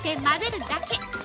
混ぜるだけ！